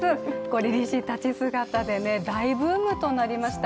りりしい立ち姿で大ブームとなりました。